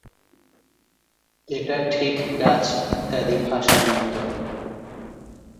এটা ঠিক ডাচ ইত্যাদি ভাষার মত।